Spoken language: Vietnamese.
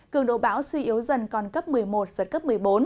cường độ bão suy yếu dần còn cấp một mươi một giật cấp một mươi bốn